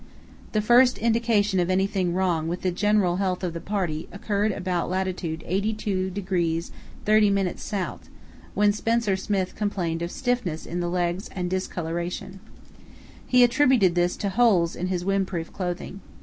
"The first indication of anything wrong with the general health of the party occurred at about lat. 82° 30´ S., when Spencer Smith complained of stiffness in the legs and discolouration. He attributed this to holes in his windproof clothing.